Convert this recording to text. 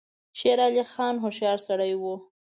شېر علي هوښیار سړی وو.